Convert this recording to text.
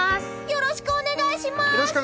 よろしくお願いします！